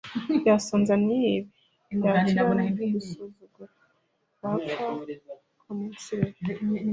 yasonza ntiyibe, yakira ntigusuzugure, wapfa ikaumunsirerera